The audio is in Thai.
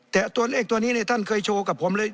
แต่ตัวเลขตัวนี้เนี่ยท่านเคยโชว์กับผมเลย